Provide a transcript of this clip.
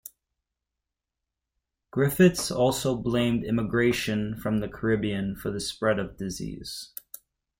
Griffiths also blamed immigration from the Caribbean for the spread of disease.